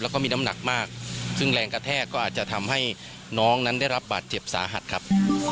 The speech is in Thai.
แล้วก็มีน้ำหนักมากซึ่งแรงกระแทกก็อาจจะทำให้น้องนั้นได้รับบาดเจ็บสาหัสครับ